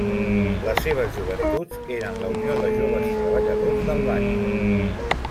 Les seves joventuts eren la Unió de Joves Treballadors d'Albània.